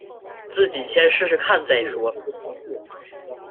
自己先试试看再说